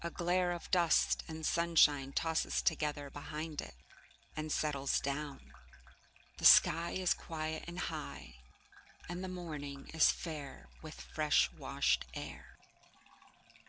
A glare of dust and sunshine tosses together behind it, and settles down. The sky is quiet and high, and the morning is fair with fresh washed air.